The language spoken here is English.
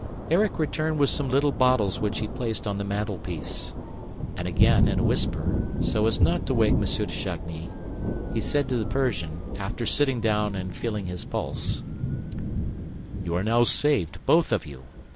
Erik returned with some little bottles which he placed on the mantelpiece. And, again in a whisper, so as not to wake M. de Chagny, he said to the Persian, after sitting down and feeling his pulse: "You are now saved, both of you.